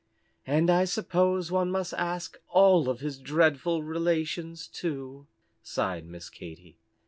"And I suppose one must ask all his dreadful relations, too," sighed Miss Katy.